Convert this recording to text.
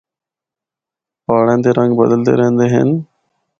پہاڑاں دے رنگ بدلدے رہندے ہن۔